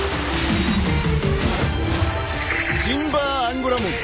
ジンバーアンゴラモン！